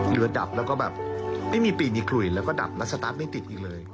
ระดับแล้วก็แบบไม่มีปีมีขลุยแล้วก็ดับแล้วสตาร์ทไม่ติดอีกเลย